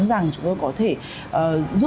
rằng chúng tôi có thể giúp